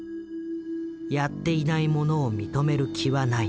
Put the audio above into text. やっていないものを認める気はない」。